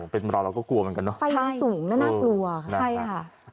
เป็นรอเราก็กลัวเหมือนกันเนอะไฟสูงแล้วน่ากลัวค่ะใช่ค่ะ